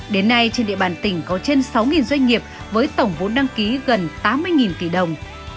đến nay trên địa bàn tỉnh có trên sáu doanh nghiệp với tổng vốn đăng ký gần tám mươi tỷ đồng